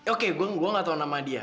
oke gue gak tau nama dia